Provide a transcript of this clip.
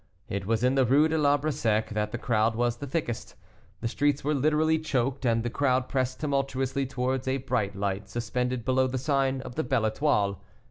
It was in the Rue de l'Arbre Sec that the crowd was the thickest. The streets were literally choked, and the crowd pressed tumultuously towards a bright light suspended below the sign of the Belle Etoile.